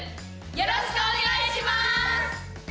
よろしくお願いします！